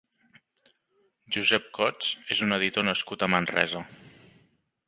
Josep Cots és un editor nascut a Manresa.